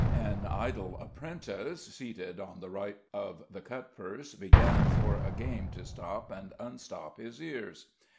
An idle apprentice, seated on the right of the cutpurse, began for a game to stop and unstop his ears.